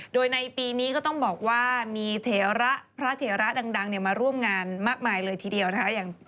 โดยในปีนี้ก็ต้องบอกว่ามีเถระพระเถระดังมาร่วมงานมากมายเลยทีเดียวนะคะ